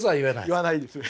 言わないです。